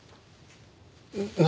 何？